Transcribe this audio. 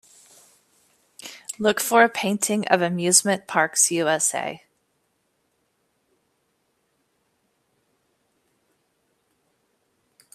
Look for a painting of Amusement Parks U.S.A.